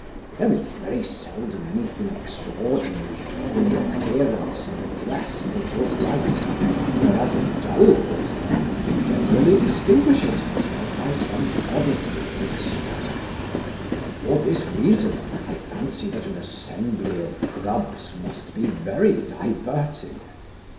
There is very seldom any thing extraordinary in the appearance and address of a good writer; whereas a dull author generally distinguishes himself by some oddity or extravagance. For this reason, I fancy, that an assembly of Grubs must be very diverting.